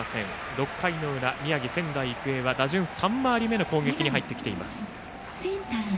６回の裏、宮城の仙台育英は打順３回り目の攻撃に入ってきています。